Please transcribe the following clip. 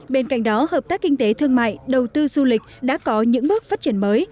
bên cạnh đó hợp tác kinh tế thương mại đầu tư du lịch đã có những bước phát triển mới